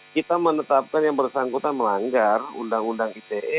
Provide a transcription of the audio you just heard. kita menetapkan yang bersangkutan melanggar undang undang ite